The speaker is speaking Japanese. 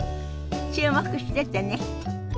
注目しててね。